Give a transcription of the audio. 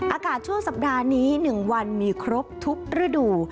อากาศช่วงสัปดาห์นี้๑วันมีครบทุกฤดู